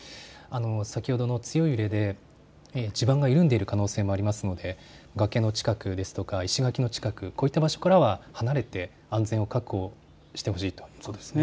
先ほどの強い揺れで地盤が緩んでいる可能性もありますので崖の近く、石垣の近く、こういった場所からは離れて安全を確保してほしいということですね。